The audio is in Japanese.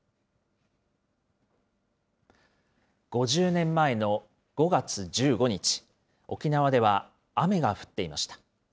５０年前の５月１５日、沖縄では雨が降っていました。